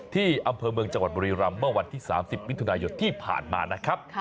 ที่อำเภอเมืองจังหวัดบุรีรำเมื่อวันที่๓๐มิถุนายนที่ผ่านมานะครับ